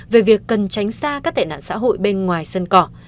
về việc cần tránh xa các tệ nạn xã hội bên ngoài sân cỏ